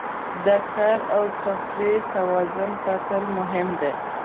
د کار او تفریح توازن ساتل مهم دي.